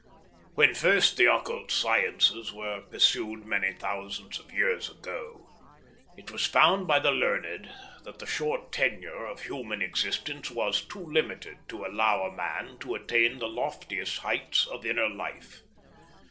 "When first the occult sciences were pursued many thousands of years ago, it was found by the learned that the short tenure of human existence was too limited to allow a man to attain the loftiest heights of inner life.